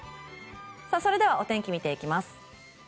それではお天気を見ていきます。